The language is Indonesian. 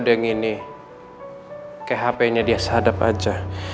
siodeng ini kayak hpnya dia sahadab aja